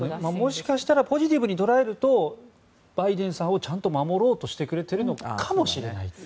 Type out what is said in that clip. もしかしたらポジティブに捉えるとバイデンさんをちゃんと守ろうとしてくれているのかもしれない。